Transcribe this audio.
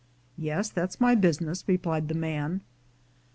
"Yes, that's my business," replied the man.